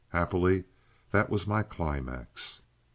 Happily that was my climax.